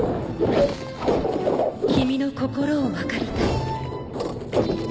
「君の心を分かりたい」。